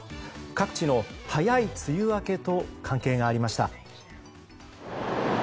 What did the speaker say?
各地の早い梅雨明けと関係がありました。